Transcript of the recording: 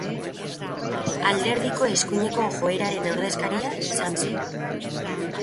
Alderdiko eskuineko joeraren ordezkaria izan zen.